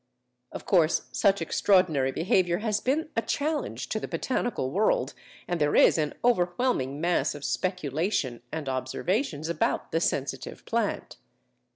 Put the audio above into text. Of course such extraordinary behaviour has been a challenge to the botanical world, and there is an overwhelming mass of speculation, and observations about the Sensitive Plant.